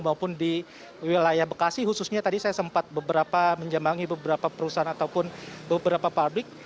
maupun di wilayah bekasi khususnya tadi saya sempat beberapa menjambangi beberapa perusahaan ataupun beberapa pabrik